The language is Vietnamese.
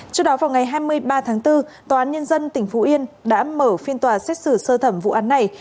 trước đó vào ngày hai mươi ba tháng bốn tòa án nhân dân tỉnh phú yên đã mở phiên tòa xét xử sơ thẩm vụ án này